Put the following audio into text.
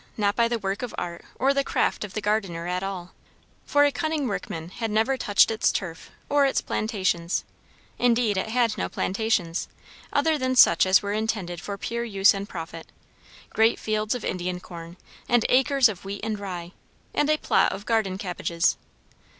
Not by the work of art or the craft of the gardener at all; for a cunning workman had never touched its turf or its plantations. Indeed it had no plantations, other than such as were intended for pure use and profit; great fields of Indian corn, and acres of wheat and rye, and a plot of garden cabbages.